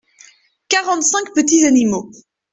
Quarante-cinq petits animaux.